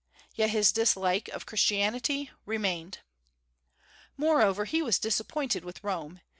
Yet his dislike of Christianity remained. Moreover, he was disappointed with Rome.